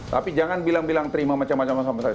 tapi jangan bilang bilang terima macam macam sama saya